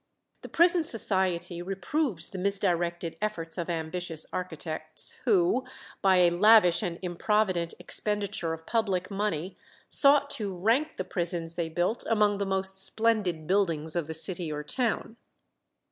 The Prison Society reproves the misdirected efforts of ambitious architects, who by a lavish and improvident expenditure of public money sought to "rank the prisons they built among the most splendid buildings of the city or town."